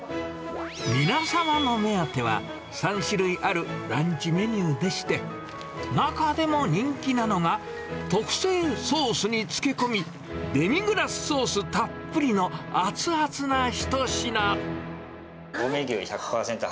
皆様の目当ては、３種類あるランチメニューでして、中でも人気なのが、特製ソースにつけ込み、デミグラスソースたっぷりの熱々な一品。